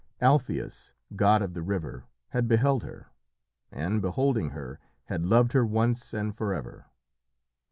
Alpheus, god of the river, had beheld her, and, beholding her, had loved her once and forever.